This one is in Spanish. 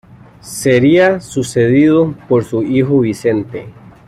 Sería sucedido por su hijo Vicente.